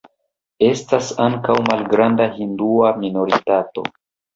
Estas ankaŭ malgranda hindua minoritato.